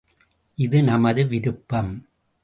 இது நமது விருப்பம்.